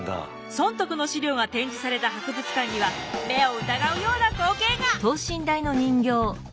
尊徳の資料が展示された博物館には目を疑うような光景が！